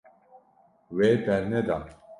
Wê berneda.